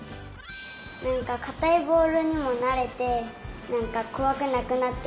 なんかかたいぼおるにもなれてなんかこわくなくなってきた。